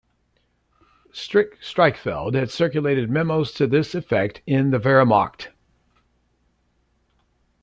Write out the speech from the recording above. Strik-Strikfeldt had circulated memos to this effect in the Wehrmacht.